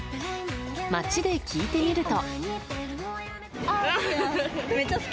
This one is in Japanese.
街で聞いてみると。